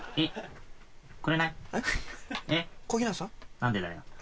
何でだよ